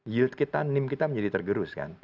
yield kita nim kita menjadi tergerus